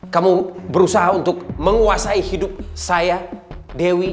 kamu berusaha untuk menguasai hidup saya dewi